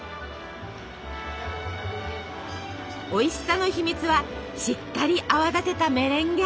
おいしさの秘密はしっかり泡立てたメレンゲ。